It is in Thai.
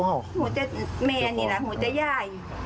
หุ่นเต็สแมนนีล่ะหุ่นเต็สแย๊ย